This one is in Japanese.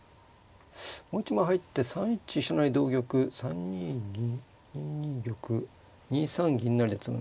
もう一枚入って３一飛車成同玉３二銀２二玉２三銀成で詰む。